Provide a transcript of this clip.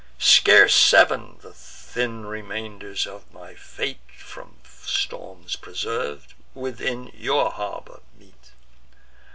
Scarce sev'n, the thin remainders of my fleet, From storms preserv'd, within your harbour meet.